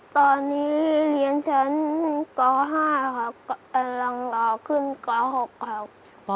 ตอนนี้เรียนชั้นป๕ครับกำลังรอขึ้นป๖ครับ